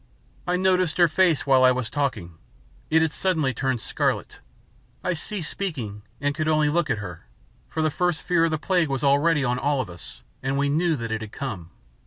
I noticed her face while I was talking. It had suddenly turned scarlet. I ceased speaking and could only look at her, for the first fear of the plague was already on all of us and we knew that it had come.